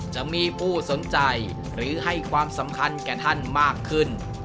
จะมีผู้สนใจหรือให้ความสำคัญแก่ท่านมากขึ้น